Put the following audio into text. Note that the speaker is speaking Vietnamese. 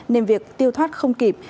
nên việc tiêu thoát không kịp